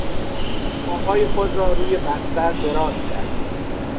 پاهای خود را روی بستر دراز کرد.